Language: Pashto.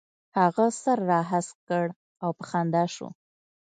هغه سر را هسک کړ او په خندا شو.